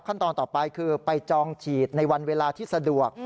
ต่อไปคือไปจองฉีดในวันเวลาที่สะดวก